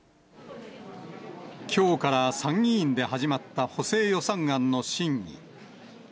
きょうから参議院で始まった補正予算案の審議。